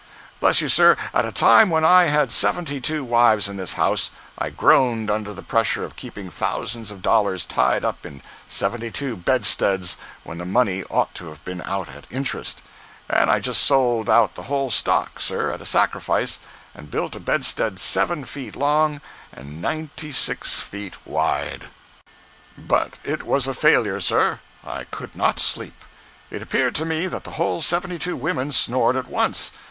Bless you, sir, at a time when I had seventy two wives in this house, I groaned under the pressure of keeping thousands of dollars tied up in seventy two bedsteads when the money ought to have been out at interest; and I just sold out the whole stock, sir, at a sacrifice, and built a bedstead seven feet long and ninety six feet wide." 126.jpg (99K) "But it was a failure, sir. I could not sleep. It appeared to me that the whole seventy two women snored at once.